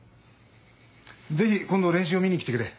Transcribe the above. ぜひ今度練習を見に来てくれ。